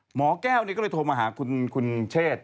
หมอแก้วนี่ก็เลยโทรมาหาคุณเชษ